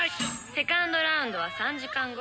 「セカンドラウンドは３時間後」